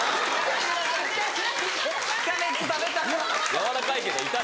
柔らかいけど痛い。